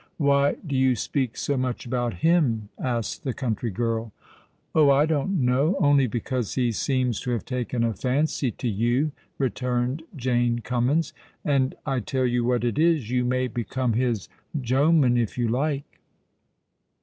"Why do you speak so much about him?" asked the country girl. "Oh! I don't know—only because he seems to have taken a fancy to you," returned Jane Cummins. "And I tell you what it is—you may become his jomen if you like."